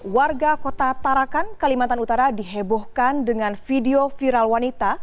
warga kota tarakan kalimantan utara dihebohkan dengan video viral wanita